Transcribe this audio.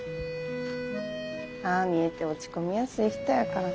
ああ見えて落ち込みやすい人やからなあ。